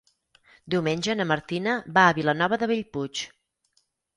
Diumenge na Martina va a Vilanova de Bellpuig.